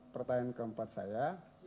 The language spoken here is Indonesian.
pertanyaan keempat saya